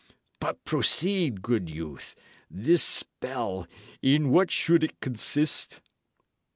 But proceed, good youth. This spell in what should it consist?"